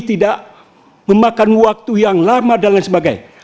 tidak memakan waktu yang lama dan lain sebagainya